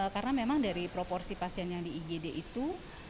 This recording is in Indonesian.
karena memang dari proporsi pasien yang di igd itu